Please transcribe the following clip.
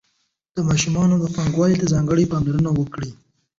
د ماشومانو پاکوالي ته ځانګړې پاملرنه وکړئ.